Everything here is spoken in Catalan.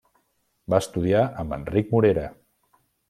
Va estudiar amb Enric Morera.